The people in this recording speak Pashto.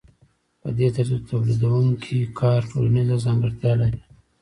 په دې ترتیب د تولیدونکي کار ټولنیزه ځانګړتیا لري